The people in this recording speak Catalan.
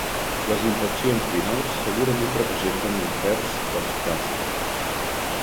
Les infeccions virals segurament representen un terç dels casos.